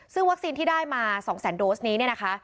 ซึ่งวัคซีนที่ได้มา๒แสนโดสนี้เนี่ยนะคะ